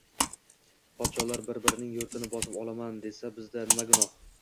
Podsholar bir-birining yurtini bosib olaman desa bizda nima gunoh.